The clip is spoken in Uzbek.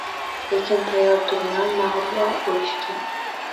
Lekin tayyordurman mag‘rur o‘lishga